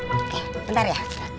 oke bentar ya